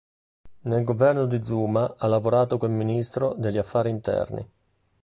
Nel governo di Zuma ha lavorato come Ministro degli Affari Interni.